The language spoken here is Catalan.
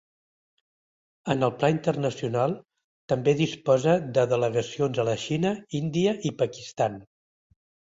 En el pla internacional, també disposa de delegacions a la Xina, Índia i Pakistan.